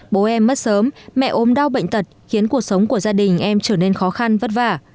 bố em mất sớm mẹ ốm đau bệnh tật khiến cuộc sống của gia đình em trở nên khó khăn vất vả